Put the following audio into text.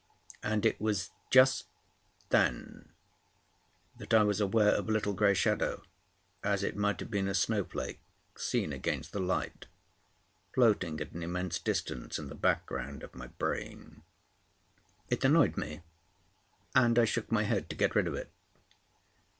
And it was just then that I was aware of a little grey shadow, as it might have been a snowflake seen against the light, floating at an immense distance in the background of my brain. It annoyed me, and I shook my head to get rid of it.